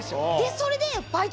それで。